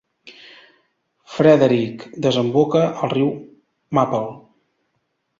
Frederick desemboca al riu Maple.